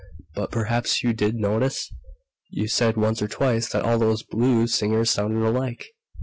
But perhaps you did notice? You said, once or twice, that all those blues singers sounded alike!